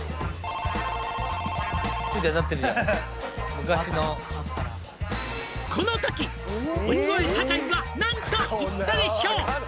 昔の「この時鬼越坂井は何と言ったでしょう？」